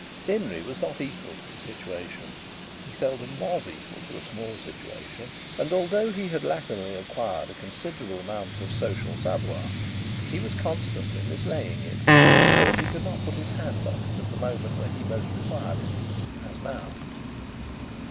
Denry was not equal to the situation. He seldom was equal to a small situation. And although he had latterly acquired a considerable amount of social savoir, he was constantly mislaying it, so that he could not put his hand on it at the moment when he most required it, as now.